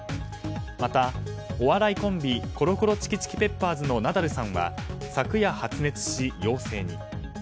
またお笑いコンビコロコロチキチキペッパーズのナダルさんは昨夜発熱し陽性に。